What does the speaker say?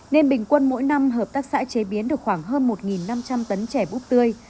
nên bình quân mỗi năm hợp tác xã chế biến được khoảng hơn một năm trăm linh tấn chẻ búp tươi